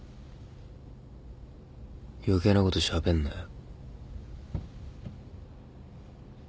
余計なことしゃべんなよ。